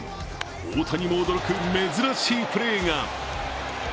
大谷も驚く珍しいプレーが。